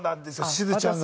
しずちゃんが。